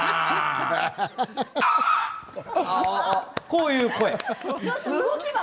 こういう声です。